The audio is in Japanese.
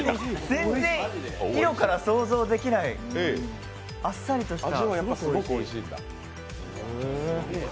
全然色から想像できないあっさりとした。